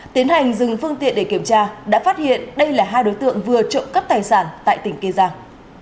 tiến hành dừng phương tiện để kiểm tra đã phát hiện đây là hai đối tượng vừa trộm cắp tài sản tại tỉnh kiên giang